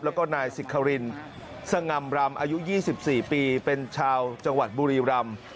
แล้วก็นายสิครินสง่ำรำอายุ๒๔ปีเป็นชาวจังหวัดบุรีรำ